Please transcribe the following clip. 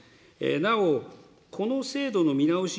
なお、この制度の見直し